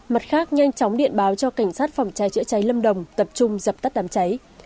mặt khác nhanh chóng điện báo cho cảnh sát phòng cháy chữa cháy lâm đồng tập trung dập tắt đám cháy